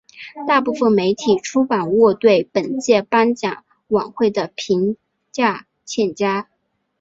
大部分媒体出版物对本届颁奖晚会的评价欠佳。